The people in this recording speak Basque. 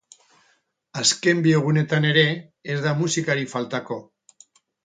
Azken bi egunetan ere ez da musikarik faltako.